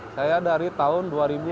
saya dari tahun dua ribu tujuh belas